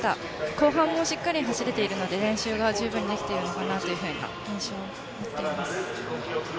後半もしっかり走れているので練習が十分にできているという印象を受けます。